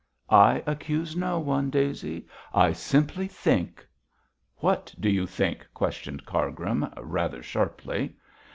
'I accuse no one, Daisy. I simply think!' 'What do you think?' questioned Cargrim, rather sharply.